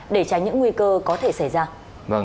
để tránh những nguy cơ có thể xảy ra